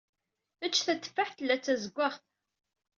Ač teffaḥet tella d tazuggaɣt.